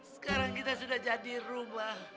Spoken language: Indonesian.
sekarang kita sudah jadi rumah